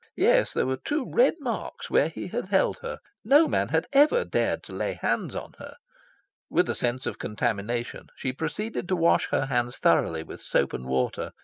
Yes, there were two red marks where he had held her. No man had ever dared to lay hands on her. With a sense of contamination, she proceeded to wash her hands thoroughly with soap and water.